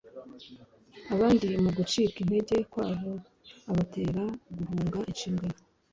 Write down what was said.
Abandi mu gucika intege kwabo abatera guhunga inshingano